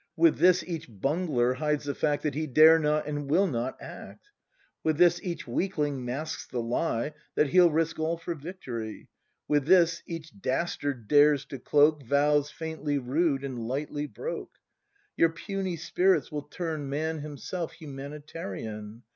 With this each bungler hides the fact That he dare not and will not act; With this each weakling masks the lie, That he'll risk all for victory; With this each dastard dares to cloak Vows faintly rued and lightly broke; Your puny spirits will turn Man Himself Humanitarian